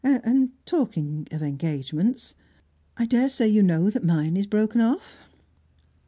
And talking of engagements I daresay you know that mine is broken off?"